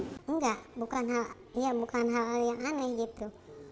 enggak bukan hal hal yang aneh gitu